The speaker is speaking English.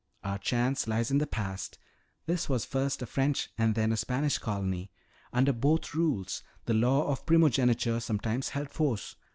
Our chance lies in the past. This was first a French and then a Spanish colony. Under both rules the law of primogeniture sometimes held force.